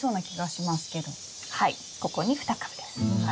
はいここに２株です。